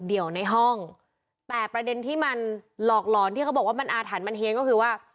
เดียวในห้องแต่ประเด็นที่มันหลอกหลอนที่เขาบอกว่ามันอาถรรพ์มันเฮียนก็คือว่า